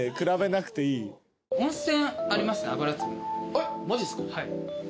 えっマジですか。